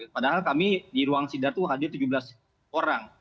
padahal kami di ruang sidang itu hadir tujuh belas orang